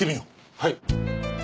はい。